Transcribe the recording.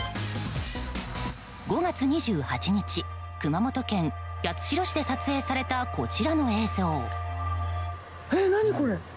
５月２８日、熊本県八代市で撮影されたこちらの映像。